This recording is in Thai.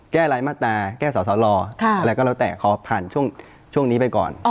แก้ไร้มาตาแก้ศอสลลลออะไรก็แล้วแต่ขอผ่านช่วงช่วงนี้ไปก่อน